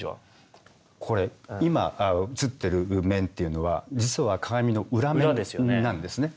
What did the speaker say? これ今映ってる面っていうのは実は鏡の裏面なんですね。